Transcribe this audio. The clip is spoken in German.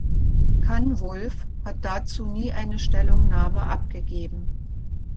Kanwulf hat dazu nie eine Stellungnahme abgegeben.